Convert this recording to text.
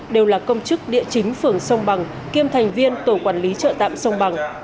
đều là công chức địa chính phường sông bằng kiêm thành viên tổ quản lý chợ tạm sông bằng